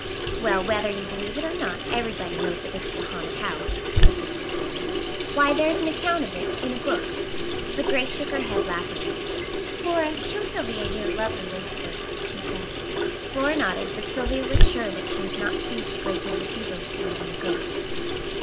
"Well, whether you believe it or not, everybody knows that this is a haunted house," persisted Flora. "Why, there is an account of it in a book." But Grace shook her head laughingly. "Flora, show Sylvia your lovely lace work," she said. Flora nodded, but Sylvia was sure that she was not pleased at Grace's refusal to believe in the ghost.